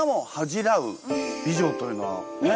というのはねえ？